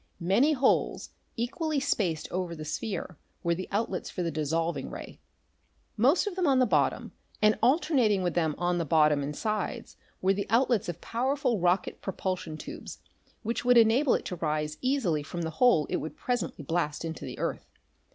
Many holes equally spaced over the sphere were the outlets for the dissolving ray most of them on the bottom and alternating with them on the bottom and sides were the outlets of powerful rocket propulsion tubes, which would enable it to rise easily from the hole it would presently blast into the earth.